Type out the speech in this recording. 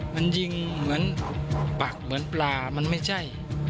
มันยิงเหมือนปักเหมือนปลามันไม่ใช่